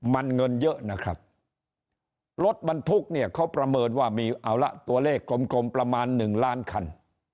มันเงินเยอะนะครับรถบรรทุกเนี่ยเขาประเมินว่ามีเอาละตัวเลขกลมประมาณหนึ่งล้านคัน